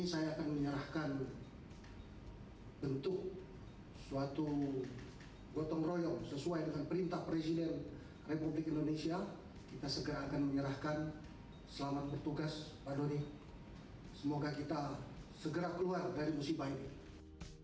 semoga kita segera keluar dari musibah ini